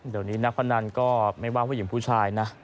เดี๋ยวนี้นักพนันก็ไม่ว่าผู้หญิงผู้ชายนะ